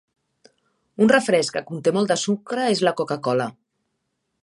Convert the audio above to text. Un refresc que conté molt de sucre és la Coca-Cola.